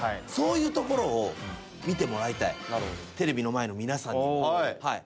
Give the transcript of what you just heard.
そういうところを見てもらいたいテレビの前の皆さんにも。